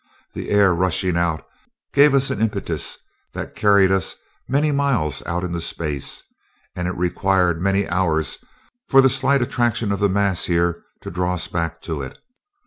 The air rushing out gave us an impetus that carried us many miles out into space, and it required many hours for the slight attraction of the mass here to draw us back to it.